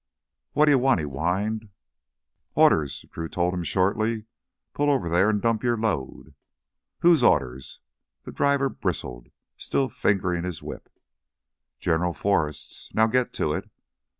"Watta yuh want?" he whined. "Orders," Drew told him shortly. "Pull over there and dump your load!" "Whose orders?" The driver bristled, still fingering his whip. "General Forrest's. Now get to it!"